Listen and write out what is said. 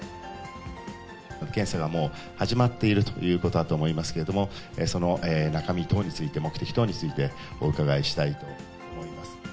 検査がもう始まっているということだと思いますけれども、その中身等について、目的等について、お伺いしたいと思います。